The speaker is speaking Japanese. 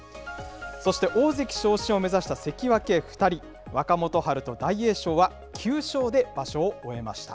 そして、大関昇進を目指した関脇２人、若元春と大栄翔は、９勝で場所を終えました。